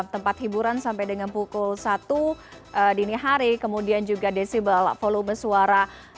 tempat hiburan sampai dengan pukul satu dini hari kemudian juga desible volume suara